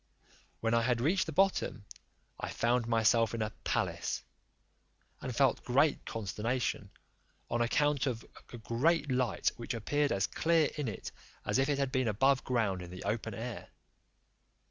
When I had reached the bottom, I found myself in a palace, and felt great consternation, on account of a great light which appeared as clear in it as if it had been above ground in the open air.